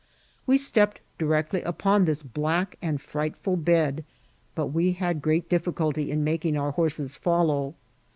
We stepped directly upon this black and firightful bed, but we had great difficulty in making our horses follow.